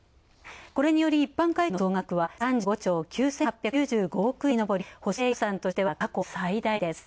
これにより、一般会計の総額は３５兆９８９５億円にのぼり補正予算としては過去最大です。